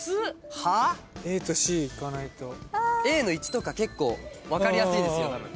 Ａの１とか結構分かりやすいですよ。